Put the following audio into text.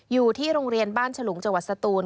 อยู่ที่โรงเรียนบ้านฉลุงจังหวัดสตูน